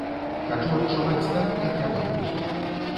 Хачу адчуваць так, як яно ёсць.